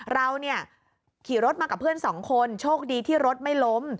เราเนี่ยขี่รถมากับเพื่อนสองคนโชคดีที่รถไม่ล้ม